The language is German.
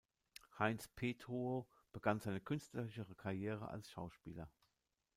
Heinz Petruo begann seine künstlerische Karriere als Schauspieler.